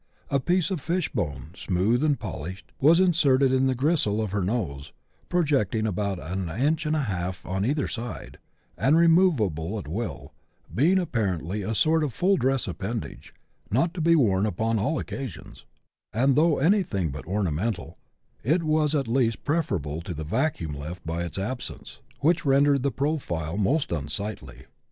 A piece of fish bone, smooth and polished, was inserted in the gristle of her nose, projecting about an inch and a half on either side, and removable at will, being apparently a sort of full dress appendage, not to be worn upon all occasions ; and though anything but ornamental, it was at least preferable to the vacuum left by its absence, which rendered the profile most unsightly.